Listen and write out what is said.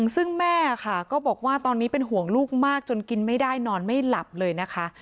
ซึ่งแม่ค่ะก็บอกว่าตอนนี้เป็นห่วงลูกมากจนกินไม่ได้นอนไม่หลับเลยนะคะ